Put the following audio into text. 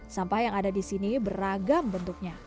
sampah yang ada di sini beragam bentuknya